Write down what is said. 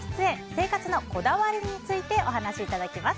生活のこだわりについてお話しいただきます。